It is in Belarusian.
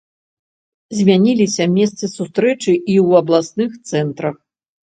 Змяніліся месцы сустрэчы і ў абласных цэнтрах.